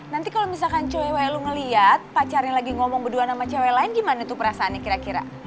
nanti kalo misalkan cewek lu ngeliat pacarnya lagi ngomong beduan sama cewek lain gimana tuh perasaannya kira kira